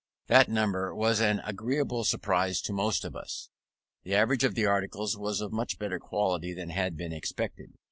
That number was an agreeable surprise to most of us. The average of the articles was of much better quality than had been expected.